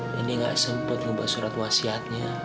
nenek gak sempat membuat surat wasiatnya